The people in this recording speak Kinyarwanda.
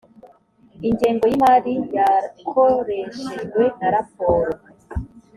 ingengo y imari yakoreshejwe na raporo